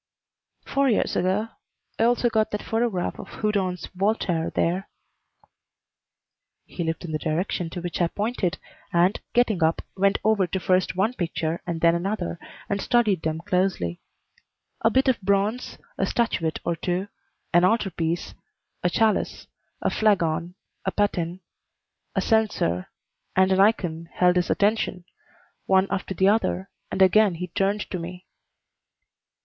"Four years ago. I also got that photograph of Houdon's Voltaire there." He looked in the direction to which I pointed, and, getting up, went over to first one picture and then another, and studied them closely. A bit of bronze, a statuette or two, an altar piece, a chalice, a flagon, a paten, a censer, and an ikon held his attention, one after the other, and again he turned to me.